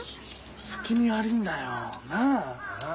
薄気味悪いんだよ。なあ！なあ。